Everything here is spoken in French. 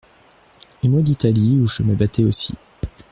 Et moi d’Italie où je me battais aussi.